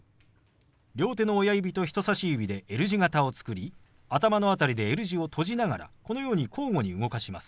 両手の親指と人さし指でＬ字型を作り頭の辺りでＬ字を閉じながらこのように交互に動かします。